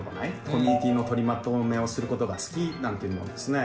「コミュニティの取りまとめをすることが好き」なんていうのもですね